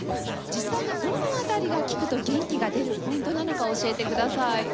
実際にどの辺りが聴くと元気が出るポイントなのか教えてください。